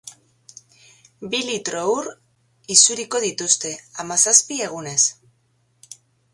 Bi litro ur isuriko dituzte, hamazazpi egunez.